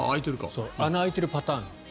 穴が開いているパターン。